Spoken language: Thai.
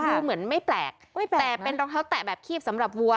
ดูเหมือนไม่แปลกแต่เป็นรองเท้าแตะแบบคีบสำหรับวัว